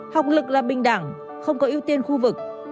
học lực là bình đẳng không có ưu tiên khu vực